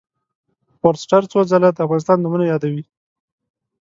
فورسټر څو څو ځله د افغانستان نومونه یادوي.